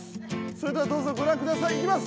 それではどうぞご覧ください。いきます。